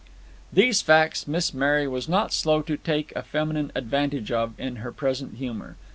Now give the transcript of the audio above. These facts Miss Mary was not slow to take a feminine advantage of, in her present humor.